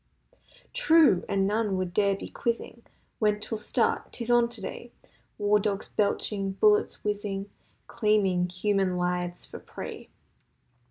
True! And none would dare be quizzing When 'twill start—'tis on today— War dogs belching—bullets whizzing— Claiming human lives for prey.